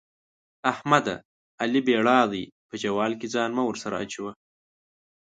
احمده؛ علي بېړا دی - په جوال کې ځان مه ورسره اچوه.